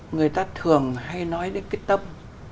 người ta thường hay nói đến cái tâm